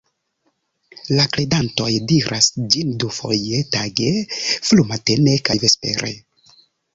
La kredantoj diras ĝin dufoje tage, frumatene kaj vespere.